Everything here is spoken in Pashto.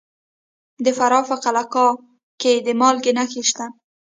د فراه په قلعه کاه کې د مالګې نښې شته.